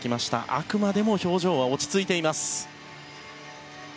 あくまでも表情は落ち着いています。